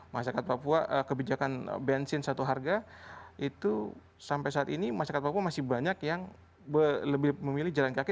masyarakat papua kebijakan bensin satu harga itu sampai saat ini masyarakat papua masih banyak yang lebih memilih jalan kaki